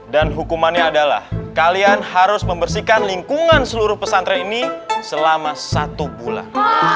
dan hukumannya adalah kalian harus membersihkan lingkungan seluruh pesantren ini selama satu bulan